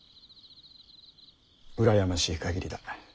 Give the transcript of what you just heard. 羨ましい限りだ。